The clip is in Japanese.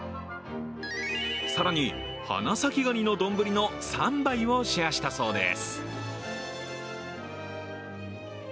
更に、花咲がにの丼の３杯をシェアしたそうです。